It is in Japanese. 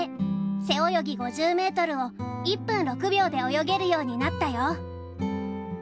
背泳ぎ５０メートルを１分６秒で泳げるようになったよ。